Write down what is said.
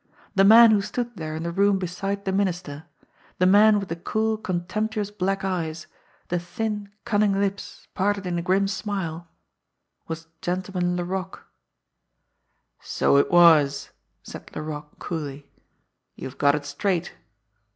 The man who stood there in the room beside the Minister, the man with the cool, contemptuous black eyes, the thin, cunning lips parted in a grim smile, was Gentleman Laroque. "So it was," said Laroque coolly. "You've got it straight.